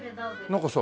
なんかさ